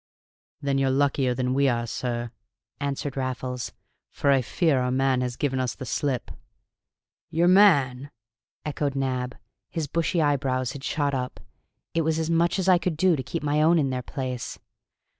"Then you're luckier than we are, sir," answered Raffles, "for I fear our man has given us the slip." "Your man!" echoed Nab. His bushy eyebrows had shot up: it was as much as I could do to keep my own in their place.